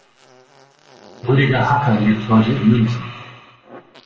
Rüdiger Hacker lebt heute in München.